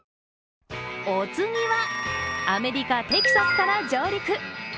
お次は、アメリカ・テキサスから上陸。